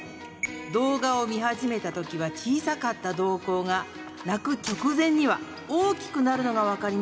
動画を見始めた時は小さかった瞳孔が泣く直前には大きくなるのが分かります。